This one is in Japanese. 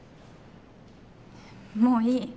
もういい。